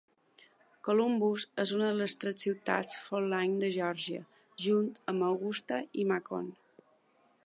Columbus és una de les tres ciutats Fall Line de Geòrgia, junt amb Augusta y Macon.